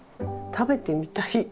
食べてみたいこれ。